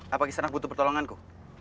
apa ghisanak butuh pertolonganku